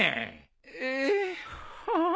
ええはあ。